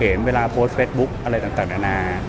เวลาโพสต์เฟสบุ๊คอะไรต่างนานา